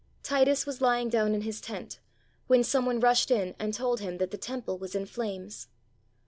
Titus was lying down in his tent, when some one rushed in and told him that the Temple was in flames.